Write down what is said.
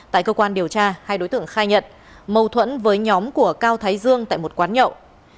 tại cơ quan điều tra hai đối tượng khai nhận mâu thuẫn với nhóm của cao thái dương tại một quán nhậu